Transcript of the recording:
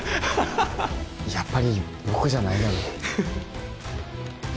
やっぱり僕じゃないよね